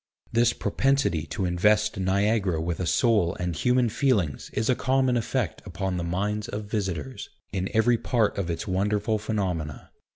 This propensity to invest Niagara with a soul and human feelings is a common effect upon the minds of visitors, in every part of its wonderful phenomena.